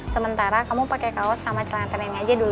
sementara kamu pakai kaos sama celana tereng aja dulu